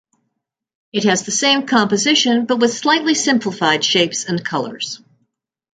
It has the same composition but with slightly simplified shapes and colors.